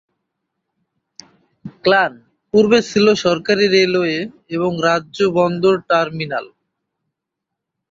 Clan পূর্বে ছিল সরকারি রেলওয়ে এবং রাজ্য বন্দর টার্মিনাল।